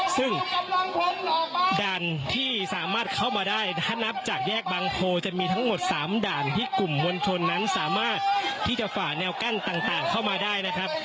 ซึ่งด่านที่สามารถเข้ามาได้ถ้านับจากแยกบางโพจะมีทั้งหมด๓ด่านที่กลุ่มมวลชนนั้นสามารถที่จะฝ่าแนวกั้นต่างเข้ามาได้นะครับ